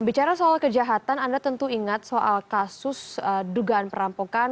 bicara soal kejahatan anda tentu ingat soal kasus dugaan perampokan